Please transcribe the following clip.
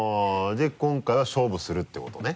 で今回は勝負するってことね？